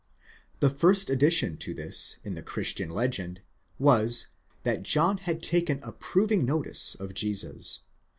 The first addition to this in the Christian legend, was, that John had taken approving notice of Jesus.